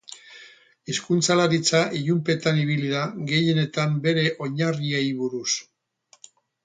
Hizkuntzalaritza ilunpetan ibili da gehienetan bere oinarriei buruz.